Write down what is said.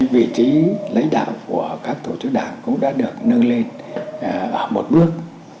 vị trí lãnh đạo của các tổ chức đảng cũng đã được nâng lên ở một bước